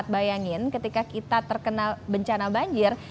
bayangin ketika kita terkena bencana banjir